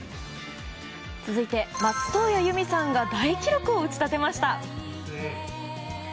続いて、松任谷由実さんが大記録を打ち立てました。